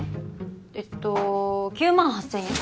えっと９万８，０００円。